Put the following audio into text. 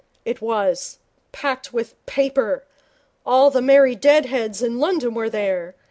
'It was. Packed with paper. All the merry dead heads in London were there.